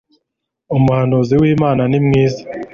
umuhanuzi w'imana. nimwiza